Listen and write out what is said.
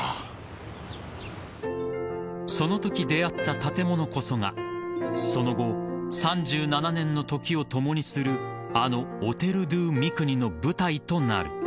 ［そのとき出合った建物こそがその後３７年の時を共にするあのオテル・ドゥ・ミクニの舞台となる］